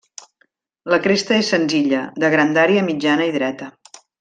La cresta és senzilla, de grandària mitjana i dreta.